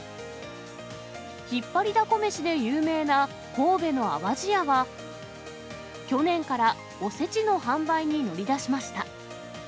ひっぱりだこ飯で有名な神戸の淡路屋は、去年からおせちの販売に乗り出しました。